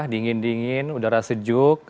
dingin dingin udara sejuk